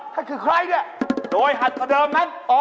ข้าคือใครนี่นะครับนะครับโดยหัตตะเดิมนั้น